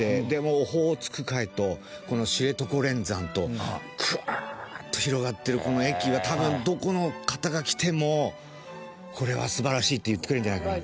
オホーツク海と知床連山とグワーッと広がってる、この駅が多分、どこの方が来てもこれは素晴らしいって言ってくれるんじゃないかな。